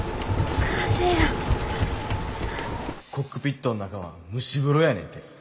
コックピットの中は蒸し風呂やねんて。